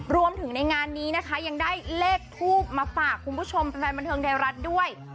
รวมถึงในงานนี้นะคะยังได้เลขทูบมาฝากคุณผู้ชมแฟนบันเทิงไทยรัฐด้วย